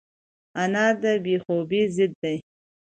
انار د بې خوبۍ ضد دی.